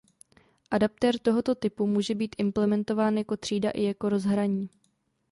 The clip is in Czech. Adaptér tohoto typu může být implementován jako třída i jako rozhraní.